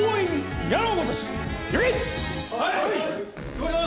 はい！